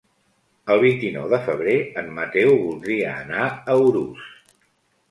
El vint-i-nou de febrer en Mateu voldria anar a Urús.